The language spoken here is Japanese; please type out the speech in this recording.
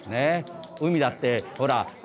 海だってほらね